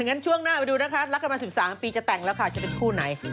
งั้นช่วงหน้าไปดูนะคะรักกันมา๑๓ปีจะแต่งแล้วค่ะจะเป็นคู่ไหน